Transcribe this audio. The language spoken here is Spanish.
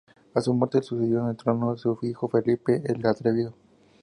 A su muerte le sucedió en el trono su hijo, Felipe el Atrevido.